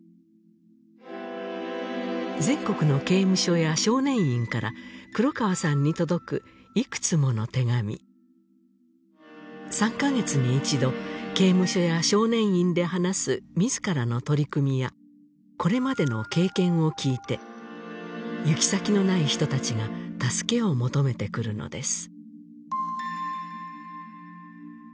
全国の刑務所や少年院から黒川さんに届くいくつもの手紙３か月に一度刑務所や少年院で話す自らの取り組みやこれまでの経験を聞いて行き先のない人たちが助けを求めてくるのです